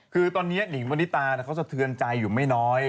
คือตอนนี้หนิงมณิตาเขาสะเทือนใจอยู่ไม่น้อย